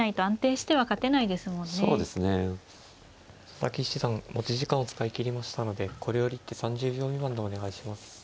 佐々木七段持ち時間を使い切りましたのでこれより一手３０秒未満でお願いします。